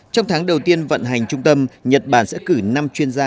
trong tháng đầu tiên vận hành trung tâm nhật bản sẽ cử năm chuyên gia